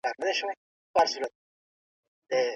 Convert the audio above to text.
د کلي په ویاله کې د اوبو شرنګا ډېره ارامه وه.